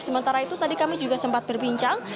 sementara itu tadi kami juga sempat berbincang